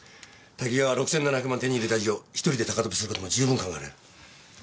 多岐川は６７００万手に入れた以上１人で高飛びする事も十分考えられる。